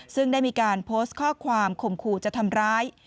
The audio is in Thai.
ซึ่งได้มีการโพสต์ข้อความข่มขู่จะทำร้าย